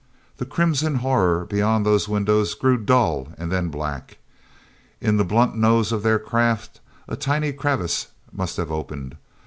The crimson horror beyond those windows grew dull and then black. In the blunt nose of their craft a tiny crevice must have opened.